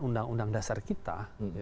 undang undang dasar kita